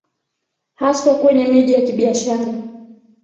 haswa kwenye miji ya kibiashara